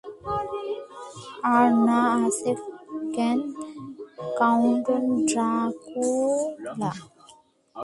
আর না আছে কোন কাউন্ট ড্রাকুলা?